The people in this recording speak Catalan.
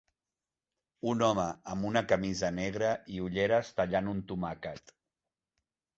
Un home amb una camisa negre i ulleres tallant un tomàquet.